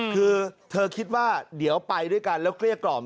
คือเธอคิดว่าเดี๋ยวไปด้วยกันแล้วเกลี้ยกล่อม